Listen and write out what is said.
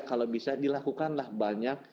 kalau bisa dilakukanlah banyak